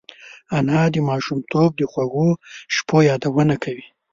انا د ماشومتوب د خوږو شپو یادونه کوي